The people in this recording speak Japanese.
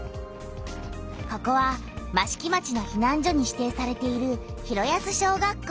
ここは益城町のひなん所に指定されている広安小学校。